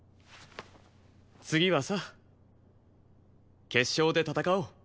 次はさ決勝で戦おう。